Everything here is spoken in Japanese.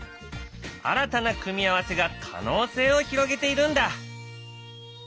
新たな組み合わせが可能性を広げているんだ。